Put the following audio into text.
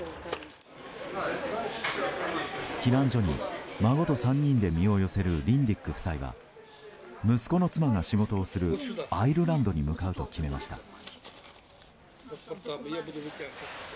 避難所に孫と３人で身を寄せるリンディック夫妻は息子の妻が仕事をするアイルランドに向かうと決めました。